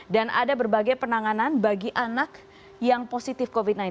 dan ada berbagai penanganan bagi anak yang positif covid sembilan belas